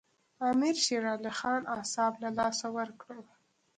امیر شېر علي خان اعصاب له لاسه ورکړل.